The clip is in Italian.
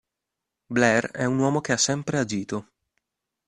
Blair è un uomo che ha sempre agito.